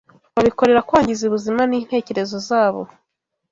babikorera kwangiza ubuzima n’intekerezo zabo